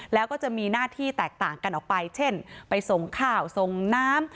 แล้วก็จะมีหน้าที่แตกต่างกันออกไปเช่นไปส่งข้าวส่งน้ำ